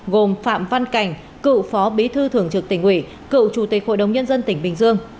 gồm phạm văn cảnh cựu phó bí thư thường trực tỉnh ủy cựu chủ tịch hội đồng nhân dân tỉnh bình dương